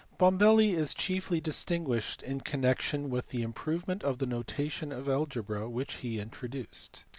Bombelli is chiefly distinguished in connection with the improvement in the notation of algebra which he introduced.